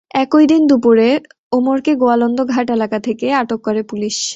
একই দিন দুপুরে ওমরকে গোয়ালন্দ ঘাট এলাকা থেকে আটক করে পুলিশ।